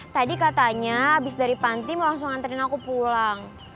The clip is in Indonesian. tadi katanya habis dari panti mau langsung nganterin aku pulang